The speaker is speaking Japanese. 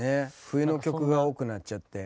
冬の曲が多くなっちゃって。